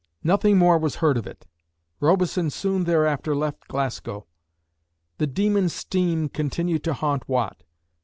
Nothing more was heard of it. Robison soon thereafter left Glasgow. The demon Steam continued to haunt Watt.